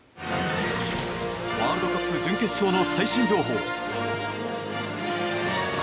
ワールドカップ準決勝の最新情報。